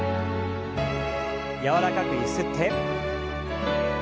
柔らかくゆすって。